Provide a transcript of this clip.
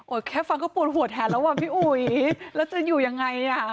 แค่ฟังก็ปวดหัวแทนแล้วอ่ะพี่อุ๋ยแล้วจะอยู่ยังไงอ่ะ